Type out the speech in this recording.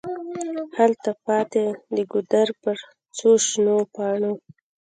هلته پاتي د ګودر پر څوشنو پاڼو